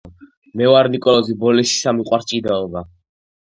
მე ვარ ნიკოლოზი ბოლნისისა მიყვარს ჭიდაობა